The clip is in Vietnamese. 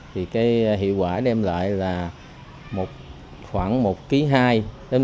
thì cái hiệu quả đem lại là khoảng một hai kg